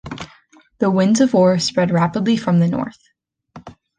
The winds of war spread rapidly from the north.